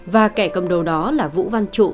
và kẻ cầm đầu đó là vũ văn trụ